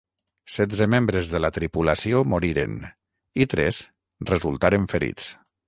Setze membres de la tripulació moriren i tres resultaren ferits.